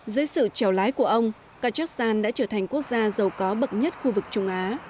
dưới sự trèo lái của ông kazakhstan đã trở thành quốc gia giàu có bậc nhất khu vực trung á